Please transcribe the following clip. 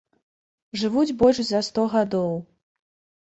Жывуць больш за сто гадоў.